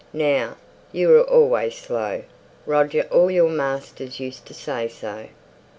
Now, you were always slow, Roger all your masters used to say so."